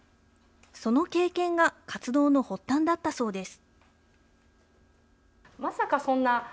その経験が活動の発端だったそうです。